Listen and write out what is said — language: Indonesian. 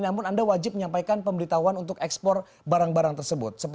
namun anda wajib menyampaikan pemberitahuan untuk ekspor barang barang tersebut